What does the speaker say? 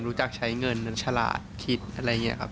รู้จักใช้เงินฉลาดคิดอะไรอย่างนี้ครับ